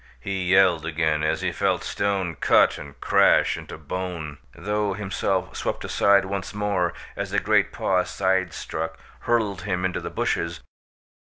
He yelled again as he felt stone cut and crash into bone, though himself swept aside once more as a great paw, sidestruck, hurled him into the bushes.